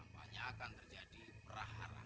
banyak akan terjadi peraharaan